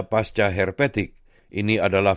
pasca herpetik ini adalah